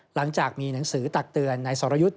หลังจากมีหนังสือตักเตือนนายสรยุทธ์